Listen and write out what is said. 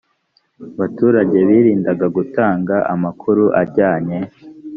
baturage birinda gutanga amakuru ajyanye